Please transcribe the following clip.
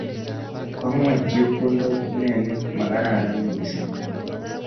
Bo ngweny chepkondok neni makararan misiing